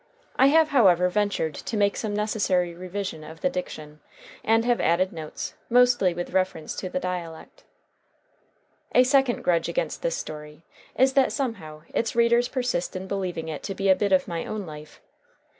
I have, however, ventured to make some necessary revision of the diction, and have added notes, mostly with reference to the dialect. A second grudge against this story is that somehow its readers persist in believing it to be a bit of my own life.